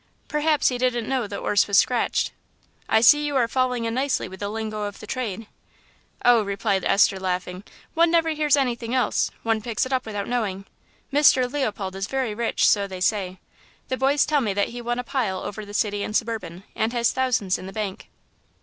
"Perhaps he didn't know the 'orse was scratched." "I see you are falling in nicely with the lingo of the trade." "Oh," replied Esther, laughing; "one never hears anything else; one picks it up without knowing. Mr. Leopold is very rich, so they say. The boys tell me that he won a pile over the City and Suburban, and has thousands in the bank."